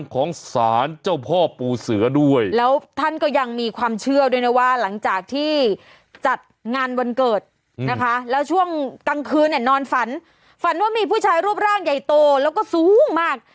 คืนเนี่ยนอนฝันฝันว่ามีผู้ชายรูปร่างใหญ่โตแล้วก็สูงมาก